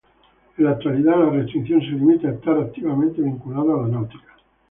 En la actualidad la restricción se limita a estar "activamente vinculado a la náutica".